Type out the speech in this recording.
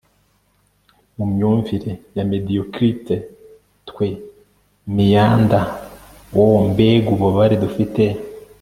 mumyumvire ya mediocrite twe meander, oh mbega ububabare dufite